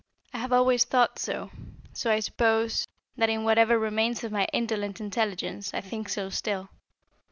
I have always thought so, and I suppose that in whatever remains of my indolent intelligence I think so still.